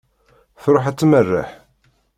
Truḥ ad tmerreḥ.